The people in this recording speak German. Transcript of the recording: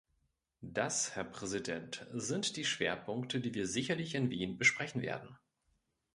Das, Herr Präsident, sind die Schwerpunkte, die wir sicherlich in Wien besprechen werden.